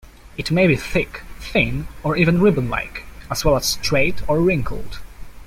It may be thick, thin, or even ribbon-like, as well as straight or wrinkled.